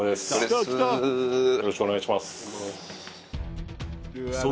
よろしくお願いします